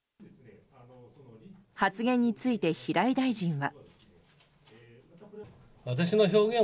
発言について、平井大臣は。